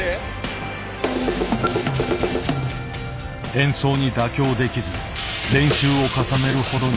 演奏に妥協できず練習を重ねるほどに痛みが増す。